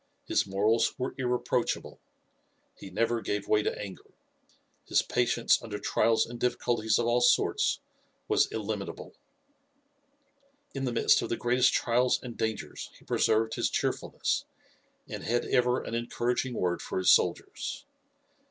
His morals were irreproachable. He never gave way to anger. His patience under trials and difficulties of all sorts was illimitable. In the midst of the greatest trials and dangers he preserved his cheerfulness, and had ever an encouraging word for his soldiers.